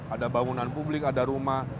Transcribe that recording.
ada bangunan publik ada rumah